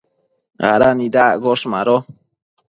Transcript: ¿ada nidaccosh? Mado